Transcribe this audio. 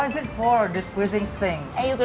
jadi kenapa menggugah